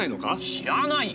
知らないよ！